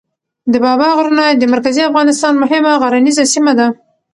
د بابا غرونه د مرکزي افغانستان مهمه غرنیزه سیمه ده.